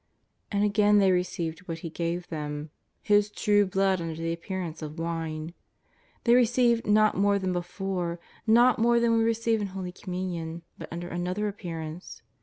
And again they received what He gave them — His true Blood under the appearance of wine. They re ceived not more than before, not more than we receive in Holy Communion, but under anotlier appearance.